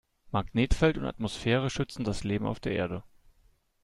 Magnetfeld und Atmosphäre schützen das Leben auf der Erde.